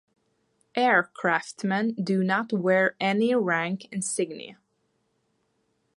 Aircraftmen do not wear any rank insignia.